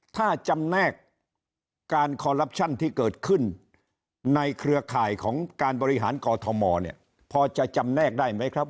ถ้าจำแนกการคอลลับชั่นที่เกิดขึ้นในเครือข่ายของการบริหารกอทมเนี่ยพอจะจำแนกได้ไหมครับ